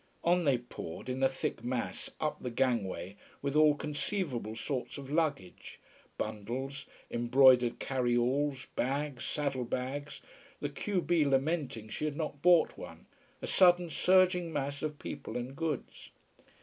On they poured, in a thick mass, up the gangway, with all conceivable sorts of luggage: bundles, embroidered carry alls, bags, saddle bags the q b lamenting she had not bought one a sudden surging mass of people and goods.